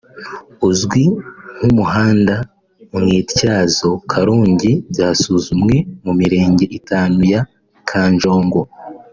uzwi nk’umuhanda “Mwityazo-Karongi” byasuzumwe mu mirenge itanu ya Kanjongo